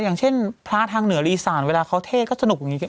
อย่างเช่นพระทางเหนือรีสานเวลาเขาเทศก็สนุกอย่างนี้